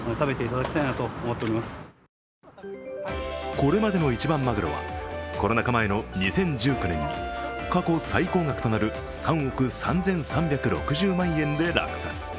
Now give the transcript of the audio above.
これまでの一番まぐろはコロナ禍前の２０１９年に過去最高額となる３億３３６０万円で落札。